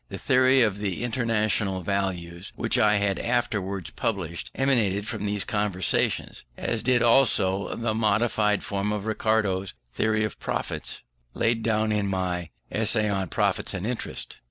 The theory of International Values which I afterwards published, emanated from these conversations, as did also the modified form of Ricardo's Theory of Profits, laid down in my Essay on Profits and Interest.